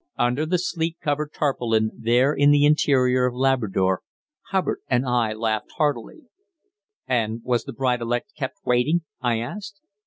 Under the sleet covered tarpaulin, there in the interior of Labrador, Hubbard and I laughed heartily. "And was the bride elect kept waiting?" I asked.